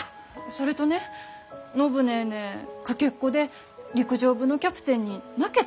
それとね暢ネーネーかけっこで陸上部のキャプテンに負けたわけ。